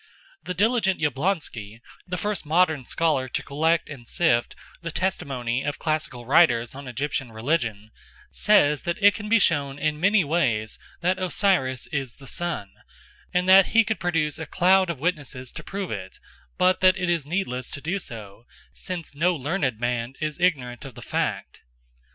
The diligent Jablonski, the first modern scholar to collect and sift the testimony of classical writers on Egyptian religion, says that it can be shown in many ways that Osiris is the sun, and that he could produce a cloud of witnesses to prove it, but that it is needless to do so, since no learned man is ignorant of the fact.